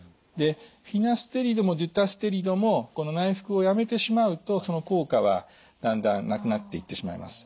フィナステリドもデュタステリドもこの内服をやめてしまうとその効果はだんだんなくなっていってしまいます。